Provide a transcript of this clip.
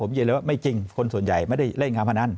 เย็นเลยว่าไม่จริงคนส่วนใหญ่ไม่ได้เล่นการพนัน